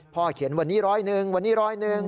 เขียนวันนี้ร้อยหนึ่งวันนี้ร้อยหนึ่ง